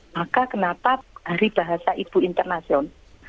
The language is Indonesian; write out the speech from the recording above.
maka kenapa hari bahasa ibu internasional